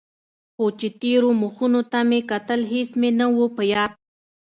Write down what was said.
خو چې تېرو مخونو ته مې کتل هېڅ مې نه و په ياد.